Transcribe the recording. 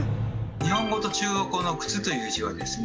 日本語と中国語の「靴」という字はですね